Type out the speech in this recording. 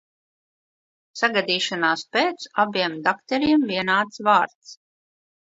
Sagadīšanās pēc abiem dakteriem vienāds vārds.